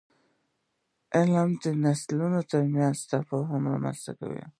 علم د نسلونو ترمنځ تفاهم رامنځته کوي.